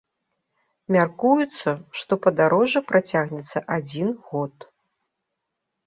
Мяркуецца, што падарожжа працягнецца адзін год.